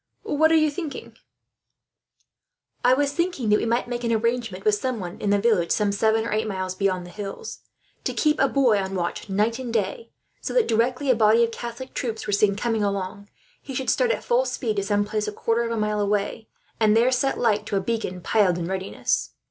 What are you thinking of?" "I was thinking that we might make an arrangement with someone, in a village some seven or eight miles beyond the hills, to keep a boy on watch night and day; so that, directly a body of Catholic troops were seen coming along, he should start at full speed to some place a quarter of a mile away, and there set light to a beacon piled in readiness.